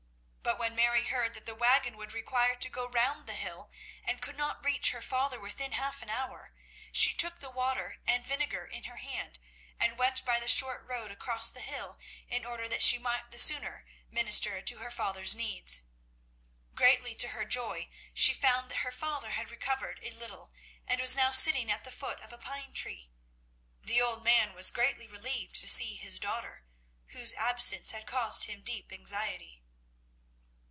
But when Mary heard that the waggon would require to go round the hill, and could not reach her father within half an hour, she took the water and vinegar in her hand, and went by the short road across the hill in order that she might the sooner minister to her father's needs. Greatly to her joy, she found that her father had recovered a little and was now sitting at the foot of a pine tree. The old man was greatly relieved to see his daughter, whose absence had caused him deep anxiety.